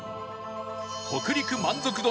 北陸満足度